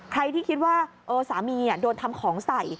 ใครที่คิดว่าสามีโดนทำของใส่